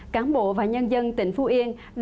cáng bộ và nhân dân tỉnh phú yên